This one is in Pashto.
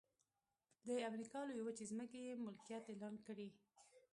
د امریکا لویې وچې ځمکې یې ملکیت اعلان کړې.